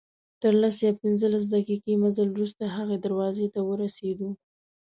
تر لس یا پنځلس دقیقې مزل وروسته هغې دروازې ته ورسېدو.